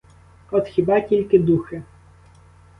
От хіба тільки духи.